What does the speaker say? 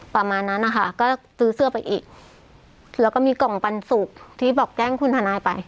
ประมาณนั้นนะคะก็ซื้อเสื้อไปอีกแล้วก็มีกล่องปันสุกที่บอกแจ้งคุณทนายไป